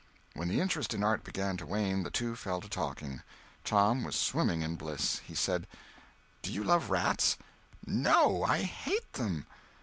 When the interest in art began to wane, the two fell to talking. Tom was swimming in bliss. He said: "Do you love rats?" "No! I hate them!"